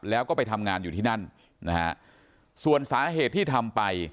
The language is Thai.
แล้วก็ไปทำงานอยู่ที่นั่นนะฮะส่วนสาเหตุที่ทำไป